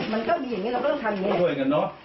มันก็มีอย่างนี้เราก็ต้องทำอย่างนี้